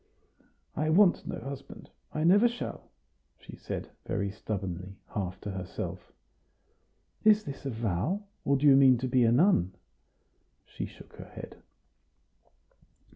"I want no husband I never shall," she said, very stubbornly, half to herself. "Is this a vow? or do you mean to be a nun?" She shook her head.